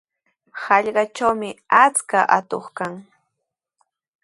Hallqatrawmi achka atuq kan.